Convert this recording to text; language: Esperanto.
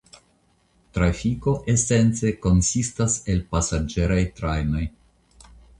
Trafiko esence konsistas el pasaĝeraj trajnoj.